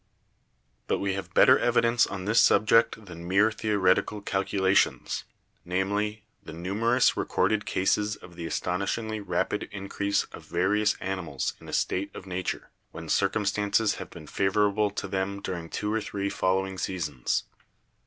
"But we have better evidence on this subject than mere theoretical calculations, namely, the numerous recorded cases of the astonishingly rapid increase of various ani mals in a state of nature, when circumstances have been favorable to them during two or three following seasons.